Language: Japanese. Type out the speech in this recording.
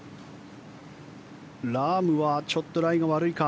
ラームはちょっとライが悪いか。